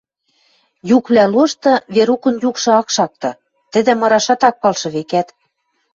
Юквлӓ лошты Верукын юкшы ак шакты, тӹдӹ мырашат ак палшы, векӓт.